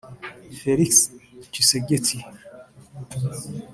Félix Tshisekedi